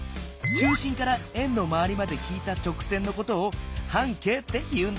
中心から円のまわりまで引いた直線のことを半径って言うんだ。